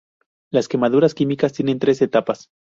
Las quemaduras químicas tienen tres etapas.